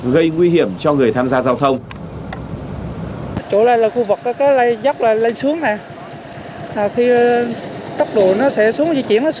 gây nguy hiểm cho người tham gia giao thông